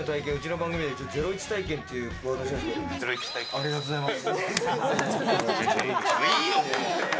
ありがとうございます。